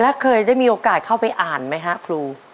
แล้วเคยได้มีโอกาสเข้าไปอ่านไหมฮะครู